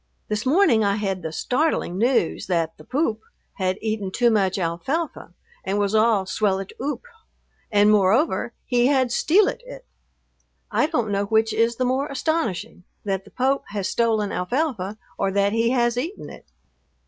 This morning I had the startling news that the "Poop" had eaten too much alfalfa and was all "swellit oop," and, moreover, he had "stealit it." I don't know which is the more astonishing, that the Pope has stolen alfalfa, or that he has eaten it.